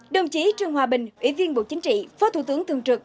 đồng chí trương hòa bình ủy viên bộ chính trị phó thủ tướng thường trực